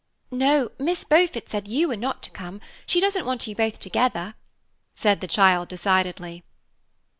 "No, Miss Beaufort said you were not to come. She doesn't want you both together," said the child decidedly.